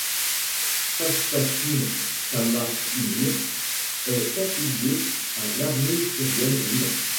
Fastaqim Kama Umirt est affilié à l'Armée syrienne libre.